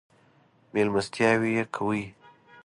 مېلمستیاوې یې کوي.